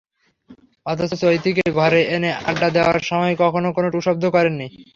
অথচ চৈতিকে ঘরে এনে আড্ডা দেওয়ার সময় কখনো কোনো টুঁ শব্দ করেননি।